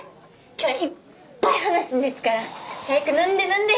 今日はいっぱい話すんですから早く飲んで飲んで。